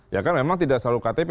ya kan memang tidak selalu ktp